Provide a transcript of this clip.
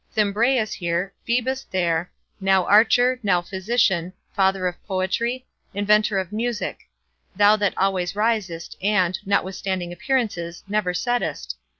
Thimbraeus here, Phoebus there, now archer, now physician, father of poetry, inventor of music; thou that always risest and, notwithstanding appearances, never settest!